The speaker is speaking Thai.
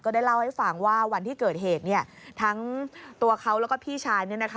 ก็ได้เล่าให้ฟังว่าวันที่เกิดเหตุเนี่ยทั้งตัวเขาแล้วก็พี่ชายเนี่ยนะคะ